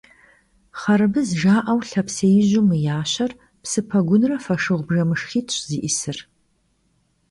Xharbız jja'eu lhapsêiju mı yaşer psı pegunre foşığu bjjemışşxit'ş zı'ısır.